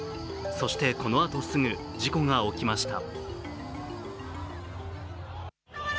そしてこのあとすぐ、事故が起きました。